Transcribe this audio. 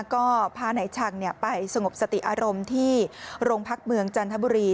ก็พานายชังไปสงบสติอารมณ์ที่โรงพักเมืองจันทบุรี